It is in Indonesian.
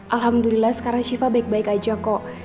alhamdulillah sekarang shiva baik baik aja kok